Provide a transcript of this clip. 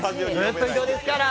ずっと移動ですから。